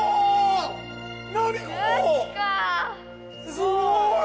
すごい！